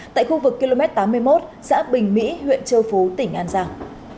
tại khu vực km tám mươi một xã bình mỹ huyện châu phú tỉnh an giang